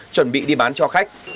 chuẩn bị đi bán cho khách